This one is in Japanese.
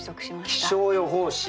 気象予報士。